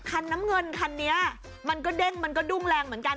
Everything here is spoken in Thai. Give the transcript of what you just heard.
คันน้ำเงินคันนี้มันก็เด้งมันก็ดุ้งแรงเหมือนกัน